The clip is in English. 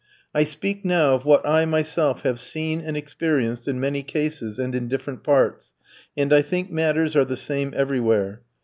I speak now of what I myself have seen and experienced in many cases and in different parts, and I think matters are the same everywhere.